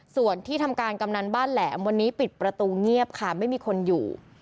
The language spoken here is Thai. ส่วนที่ทำการกำนันบ้านแหลมวันนี้ปิดประตูเงียบค่ะไม่มีคนอยู่